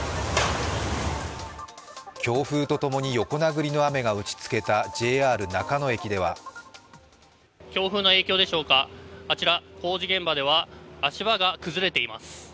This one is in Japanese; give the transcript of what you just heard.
強風とともに横殴りの雨が打ちつけたＪＲ中野駅では強風の影響でしょうか、あちら、工事現場では足場が崩れています。